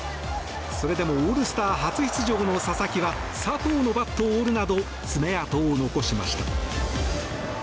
それでもオールスター初出場の佐々木は佐藤のバットを折るなど爪痕を残しました。